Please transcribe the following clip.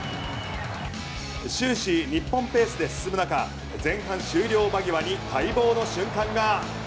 終始、日本ペースで進む中前半終了間際に待望の瞬間が。